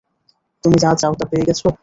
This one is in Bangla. তুমি যা চাও তা পেয়ে গেছো?